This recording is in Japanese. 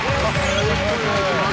よろしくお願いします